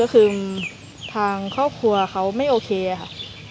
ก็คือทางครอบครัวเขาไม่โอเคค่ะ